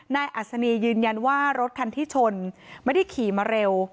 อัศนียืนยันว่ารถคันที่ชนไม่ได้ขี่มาเร็ว